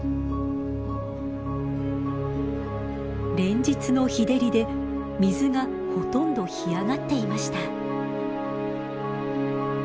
連日の日照りで水がほとんど干上がっていました。